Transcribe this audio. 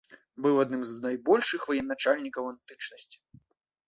Быў адным з найбольшых ваеначальнікаў антычнасці.